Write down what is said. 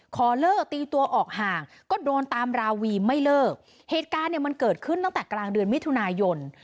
ขอเลิกตีตัวออกห่างก็โดนตามราวีไม่เลิกเหตุการณ์เนี่ยมันเกิดขึ้นตั้งแต่กลางเดือนมิถุนายน